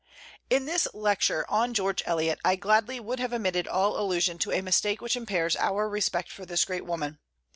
In this lecture on George Eliot I gladly would have omitted all allusion to a mistake which impairs our respect for this great woman.